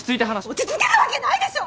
落ち着けるわけないでしょ！